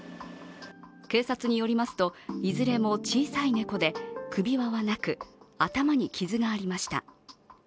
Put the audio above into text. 警察によりますと、いずれも小さい猫で、首輪はなく頭に傷がありました。